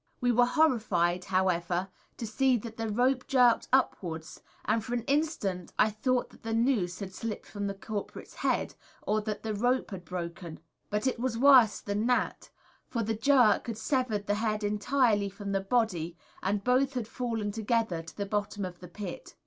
We were horrified, however, to see that the rope jerked upwards, and for an instant I thought that the noose had slipped from the culprit's head, or that the rope had broken. But it was worse than that, for the jerk had severed the head entirely from the body, and both had fallen together to the bottom of the pit.